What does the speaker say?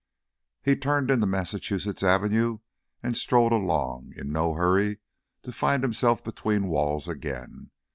He turned into Massachusetts Avenue and strolled along, in no hurry to find himself between walls again.